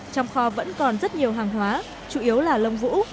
trong kho vẫn còn rất nhiều hàng hóa chủ yếu là lông vũ